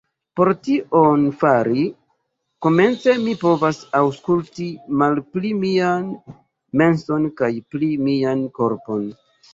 Por tion fari, komence mi povas aŭskulti malpli mian menson kaj pli mian korpon.